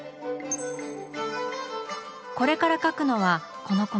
これから描くのはこのコマ。